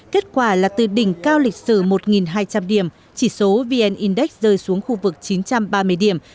kết quả là từ đỉnh cao lịch sử một hai trăm linh điểm chỉ số vn index rơi xuống khu vực chín trăm ba mươi điểm